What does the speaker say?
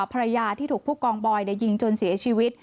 ภรรยาที่ถูกผู้กองบอยยิงจนเสียชีวิต